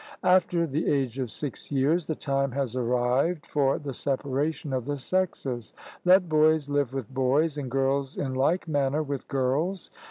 After the age of six years the time has arrived for the separation of the sexes let boys live with boys, and girls in like manner with girls.